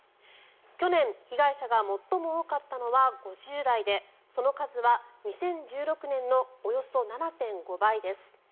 去年、被害者が最も多かったのは５０代でその数は２０１６年のおよそ７．５倍です。